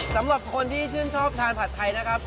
สำหรับคนที่ชื่นชอบทานผัดไทยนะครับ